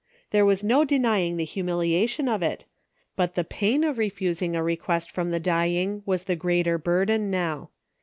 There was no denying the humili ation of it, but the pain of refusing a request from the dying was the greater burden now.